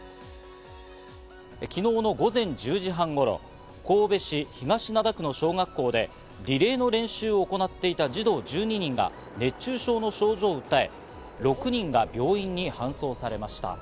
昨日の午前１０時半頃、神戸市東灘区の小学校でリレーの練習を行っていた児童１２人が熱中症の症状を訴え、６人が病院に搬送されました。